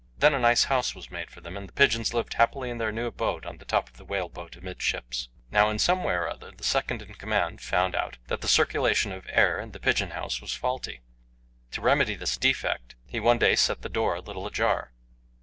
Then a nice house was made for them, and the pigeons lived happily in their new abode on the top of the whale boat amidships. Now, in some way or other the second in command found out that the circulation of air in the pigeon house was faulty; to remedy this defect, he one day set the door a little ajar.